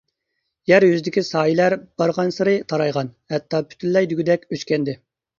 يەر يۈزىدىكى سايىلەر بارغانسېرى تارايغان، ھەتتا پۈتۈنلەي دېگۈدەك ئۆچكەنىدى.